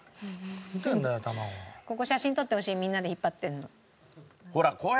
ここ写真撮ってほしいみんなで引っ張ってるの。